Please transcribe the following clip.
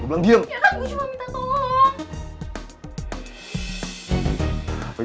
pangeran gimana sih